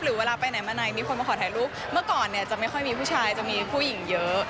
เวลาไปไหนมาไหนมีคนมาขอถ่ายรูปเมื่อก่อนเนี่ยจะไม่ค่อยมีผู้ชายจะมีผู้หญิงเยอะ